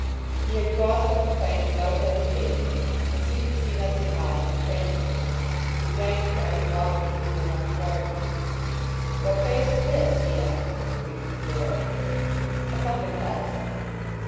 He had crossed on the plank without hesitation, and seemed to see nothing odd in the transit. He thanked them, and walked between them up the garden. "What place is this?" he asked, when they reached the door. "A public house."